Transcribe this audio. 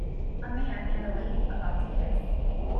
a man and a lady about to kiss